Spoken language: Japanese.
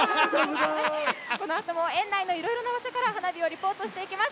このあとも園内のいろいろな場所から花火をリポートしていきます。